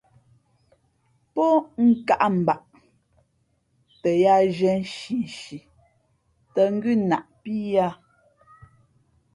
Pō nkāʼ mbaʼ tα yāā zhiē nshinshi tᾱ ngʉ́ naʼpí yāā.